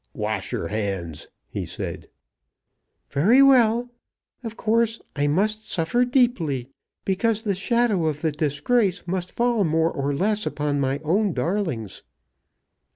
"Wash your hands," he said. "Very well. Of course I must suffer deeply, because the shadow of the disgrace must fall more or less upon my own darlings."